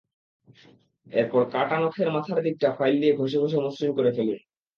এরপর কাটা নখের মাথার দিকটা ফাইল দিয়ে ঘষে মসৃণ করে ফেলুন।